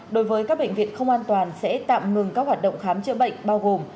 đối với các bệnh viện không an toàn sẽ tạm ngừng các hoạt động khám chữa bệnh bao gồm